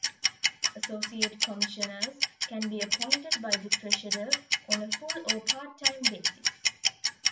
Associate Commissioners can be appointed by the Treasurer on a full or part-time basis.